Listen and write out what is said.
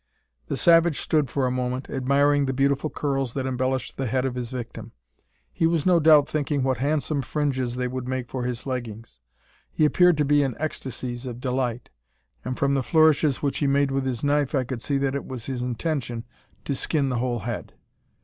The savage stood for a moment, admiring the beautiful curls that embellished the head of his victim. He was no doubt thinking what handsome fringes they would make for his leggings. He appeared to be in ecstasies of delight; and from the flourishes which he made with his knife, I could see that it was his intention to skin the whole head!